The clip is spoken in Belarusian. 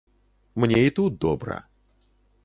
Мне і тут добра.